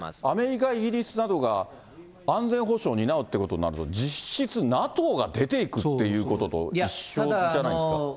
アメリカ、イギリスなどが安全保障を担うっていうことになると、実質ＮＡＴＯが出ていくっていうことと一緒じゃないんですか。